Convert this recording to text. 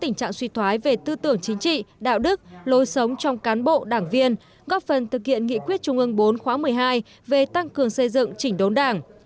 tình trạng suy thoái về tư tưởng chính trị đạo đức lối sống trong cán bộ đảng viên góp phần thực hiện nghị quyết trung ương bốn khóa một mươi hai về tăng cường xây dựng chỉnh đốn đảng